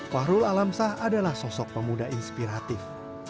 fahrul alamsah adalah sosok pemuda inspiratif